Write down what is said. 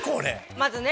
まずね。